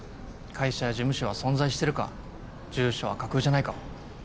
会社や事務所は存在してるか住所は架空じゃないか